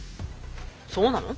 そうなの？